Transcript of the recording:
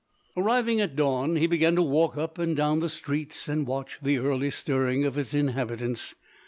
] Arriving at dawn he began to walk up and down the streets and watch the early stirring of the inhabitants.